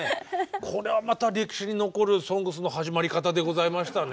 これはまた歴史に残る「ＳＯＮＧＳ」の始まり方でございましたね。